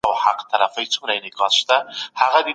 له حماسي داستانونو